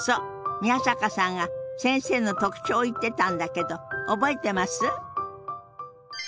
宮坂さんが先生の特徴を言ってたんだけど覚えてます？